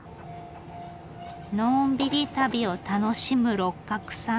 のんびり旅を楽しむ六角さん。